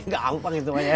gampang itu aja